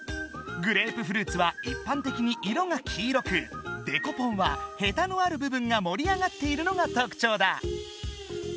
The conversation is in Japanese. グレープフルーツはいっぱんてきに色が黄色くデコポンはヘタのある部分がもり上がっているのが特ちょうだ！